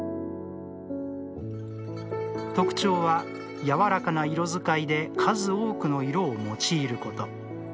特徴は柔らかな色使いで数多くの色を用いること。